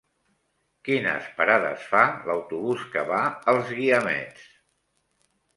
Quines parades fa l'autobús que va als Guiamets?